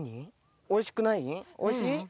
おいしい？